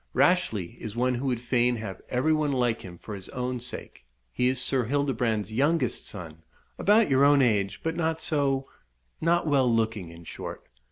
"Rashleigh is one who would fain have every one like him for his own sake. He is Sir Hildebrand's youngest son about your own age, but not so not well looking, in short.